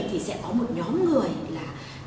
thì sẽ có một nhóm người